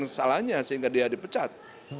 kesalahannya sehingga dia dipecat